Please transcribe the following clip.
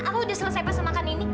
aku udah selesai pas makan ini